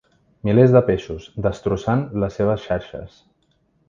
Milers de peixos, destrossant les seves xarxes.